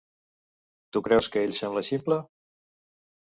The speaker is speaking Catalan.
Tu creus que ell sembla ximple?